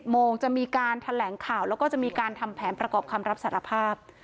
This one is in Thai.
โมงจะมีการแถลงข่าวแล้วก็จะมีการทำแผนประกอบคำรับสารภาพ